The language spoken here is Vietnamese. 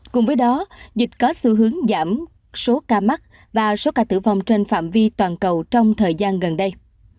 cùng với đó dịch có xu hướng giảm số ca mắc và số ca tử vong trên phạm vi toàn cầu trong thời gian gần đây